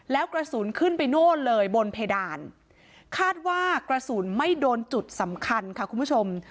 แล้วกระสุนขึ้นไปโน่นเลยบนเพดานคาดว่ากระสุนไม่โดนจุดสำคัญค่ะคุณผู้ชม